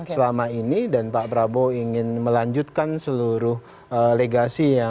selama ini dan pak prabowo ingin melanjutkan seluruh legasinya